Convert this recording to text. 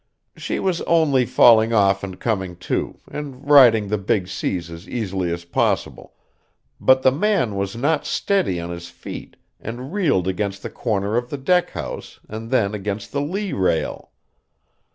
She was only falling off and coming to, and riding the big seas as easily as possible, but the man was not steady on his feet and reeled against the corner of the deck house and then against the lee rail.